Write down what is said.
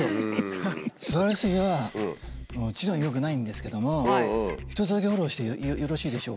座りすぎはもちろん良くないんですけども一つだけフォローしてよろしいでしょうか。